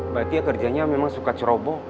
mbak tia kerjanya memang suka ceroboh